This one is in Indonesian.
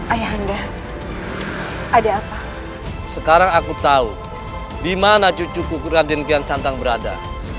ayah anda ada apa sekarang aku tahu dimana cucu kuraden kian santang berada